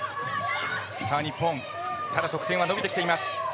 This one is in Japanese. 日本、得点は伸びてきています。